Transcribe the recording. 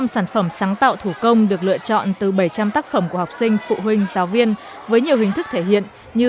một trăm linh sản phẩm sáng tạo thủ công được lựa chọn từ bảy trăm linh tác phẩm của học sinh phụ huynh giáo viên với nhiều hình thức thể hiện như